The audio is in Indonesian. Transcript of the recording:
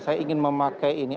saya ingin memakai ini